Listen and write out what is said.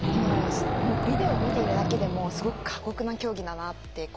ビデオを見ているだけでもすごく過酷な競技だなと。